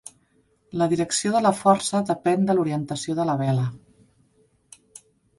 La direcció de la força depèn de l'orientació de la vela.